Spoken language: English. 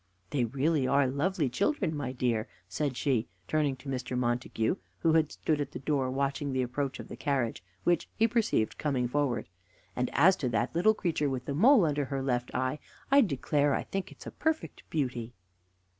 "They really are lovely children, my dear," said she, turning to Mr. Montague, who had stood at the door watching the approach of the carriage, which he perceived coming forward; "and as to that little creature with the mole under her left eye, I declare I think it is a perfect beauty."